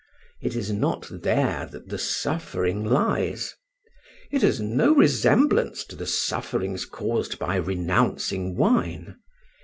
It is not there that the suffering lies. It has no resemblance to the sufferings caused by renouncing wine.